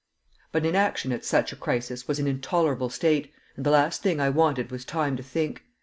But inaction at such a crisis was an intolerable state, and the last thing I wanted was time to think.